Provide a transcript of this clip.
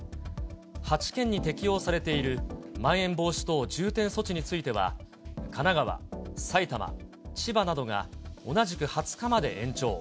８県に適用されているまん延防止等重点措置については、神奈川、埼玉、千葉などが、同じく２０日まで延長。